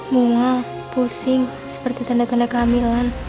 mual pusing seperti tanda tanda kehamilan